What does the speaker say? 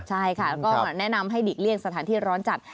ใช่ค่ะก็แนะนำให้หลีกเลี่ยงสถานที่ร้อนจัด